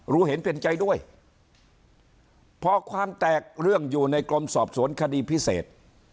รู้เห็นเป็นใจด้วยพอความแตกเรื่องอยู่ในกรมสอบสวนคดีพิเศษ